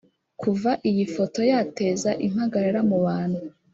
Kuva iyi foto yateze impagarara mu bantu